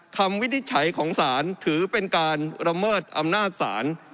วินิจฉัยของศาลถือเป็นการระเมิดอำนาจศาล